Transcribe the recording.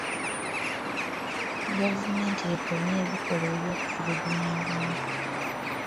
Gavumenti ekomye ebikolwa eby'okutulugunya abantu.